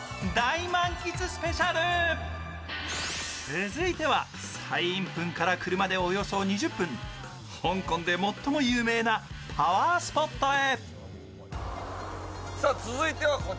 続いてはサイインプンから車でおよそ２０分、香港で最も有名なパワースポットへ。